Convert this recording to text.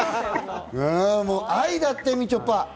愛だって、みちょぱ。